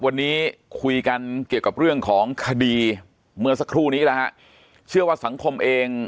วันนี้คุยกันเกี่ยวกับเรื่องของคดีเมื่อสักครู่นี้แล้วฮะเชื่อว่าสังคมเอง